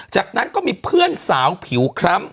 จากนั้นก็มีเพื่อนสาวผิวคล้ำ